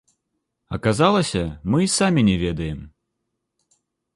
Аказалася, мы і самі не ведаем.